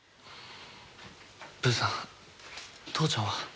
ぶーさん父ちゃんは？